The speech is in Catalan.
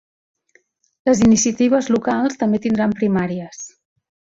Les iniciatives locals també tindran primàries